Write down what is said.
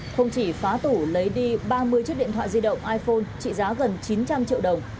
không chỉ phá tủ lấy đi ba mươi chiếc điện thoại di động iphone trị giá gần chín trăm linh triệu đồng